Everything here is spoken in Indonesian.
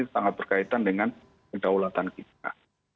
alutsista ini sangat berkaitan dengan kedaulatan kita